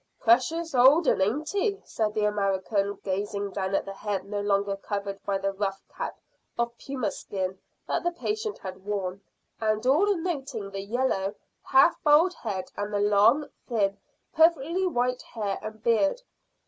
"Precious old un, ain't he?" said the American, gazing down at the head no longer covered by the rough cap of puma skin that the patient had worn, and all noting the yellow, half bald head and the long, thin, perfectly white hair and beard.